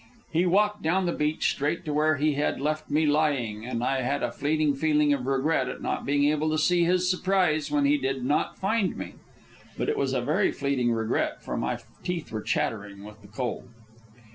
He walked down the beach straight to where he had left me lying, and I had a fleeting feeling of regret at not being able to see his surprise when he did not find me. But it was a very fleeting regret, for my teeth were chattering with the cold.